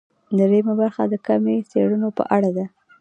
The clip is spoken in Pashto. درېیمه برخه د کمي څېړنو په اړه ده.